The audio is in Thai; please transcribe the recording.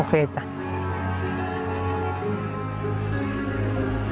โอเคจ้ะ